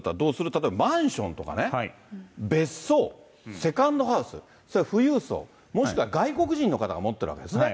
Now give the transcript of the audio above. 例えばマンションとかね、別荘、セカンドハウス、それは富裕層、もしくは外国人の方が持ってるわけですね。